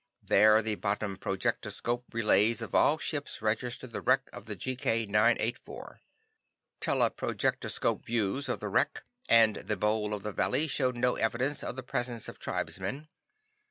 There the bottom projectoscope relays of all ships registered the wreck of the GK 984. Teleprojectoscope views of the wreck and the bowl of the valley showed no evidence of the presence of tribesmen.